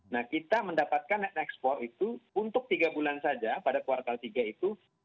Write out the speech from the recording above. nah kita mendapatkan ekspor itu untuk tiga bulan saja pada kuartal tiga itu